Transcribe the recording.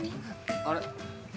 あれ。